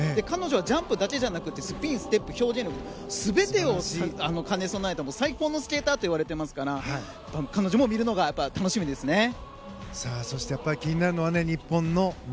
彼女はジャンプだけじゃなくてスピン、ステップ、表現力全てを兼ね備えた最高のスケーターといわれていますから彼女も見るのが楽しみですね。